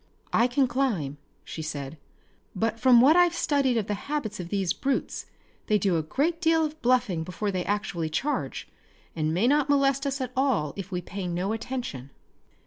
"I can climb," she said, "but from what I've studied of the habits of these brutes they do a great deal of bluffing before they actually charge, and may not molest us at all if we pay no attention."